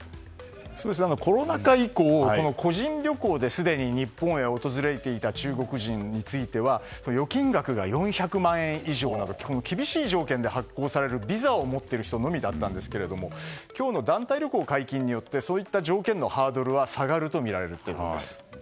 コロナ禍以降、個人旅行ですでに日本に訪れていた中国人については預金額が４００万円以上など厳しい条件で発行されるビザを持っている人のみだったんですが今日の団体旅行解禁によってそういった条件のハードルは下がるとみられています。